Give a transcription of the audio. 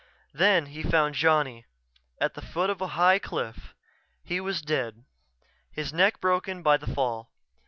Then he found Johnny, at the foot of a high cliff. He was dead, his neck broken by the fall.